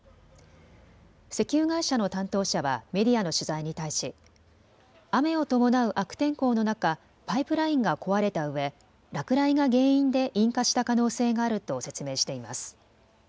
石油会社の担当者はメディアの取材に対し雨を伴う悪天候の中、パイプラインが壊れたうえ落雷が原因で引火した可能性があると説明しています。